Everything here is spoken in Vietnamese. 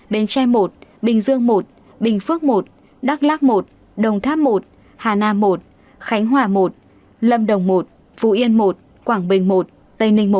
bến tre i bình dương một bình phước một đắk lắc một đồng tháp một hà nam một khánh hòa một lâm đồng một phú yên một quảng bình một tây ninh một